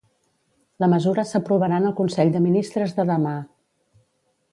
La mesura s’aprovarà en el consell de ministres de demà.